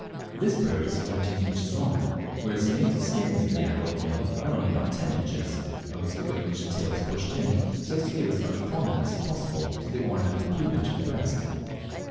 This bird is fourteen inches long, whereas the native skins of the adult male are only about ten inches, owing to the way in which the tail is pushed in, so as to give as much prominence as possible to the ornamental plumage of the breast.